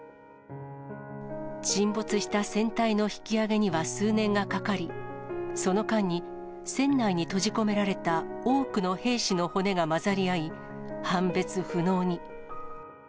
沈没した船体の引き揚げには数年がかかり、その間に、船内に閉じ込められた多くの兵士の骨が混ざり合い、判別不能に。